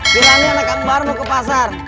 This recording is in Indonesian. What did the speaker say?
kirani anak embar mau ke pasar